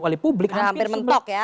udah hampir mentok ya